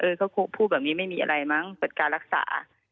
เขาพูดแบบนี้ไม่มีอะไรมั้งเปิดการรักษา